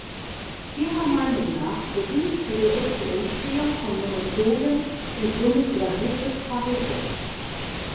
Ihrer Meinung nach begünstige es die Entstehung von Monopolen und somit überhöhte Preise.